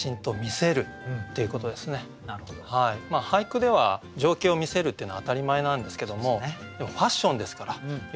ずばり俳句では情景を見せるっていうのは当たり前なんですけどもでもファッションですから余計にこうね